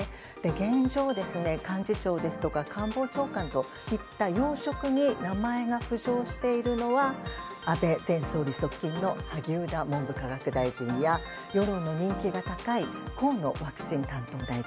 現状、幹事長や官房長官といった要職に名前が浮上しているのは安倍前総理側近の萩生田文部科学大臣や世論の人気が高い河野ワクチン担当大臣。